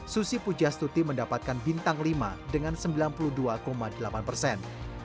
susi pujastuti mendapatkan bintang lima dengan sembilan puluh dua delapan persen